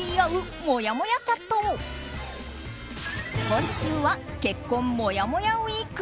今週は結婚もやもやウィーク。